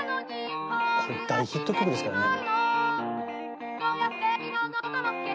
これ大ヒット曲ですからね。